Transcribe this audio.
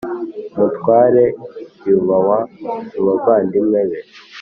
Umutware yubahwa mu bavandimwe be,